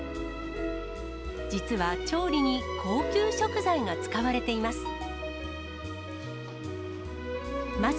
実は調理に高級食材が使われています。